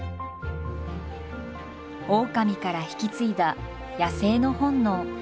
オオカミから引き継いだ野生の本能。